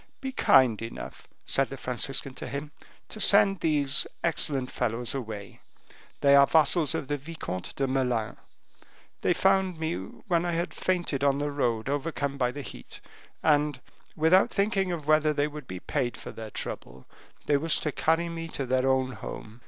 "Be kind enough," said the Franciscan to him, "to send these excellent fellows away; they are vassals of the Vicomte de Melun. They found me when I had fainted on the road overcome by the heat, and without thinking of whether they would be paid for their trouble, they wished to carry me to their own home.